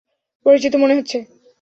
পরিচিত মনে হচ্ছে।